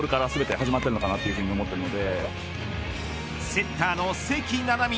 セッターの関菜々巳。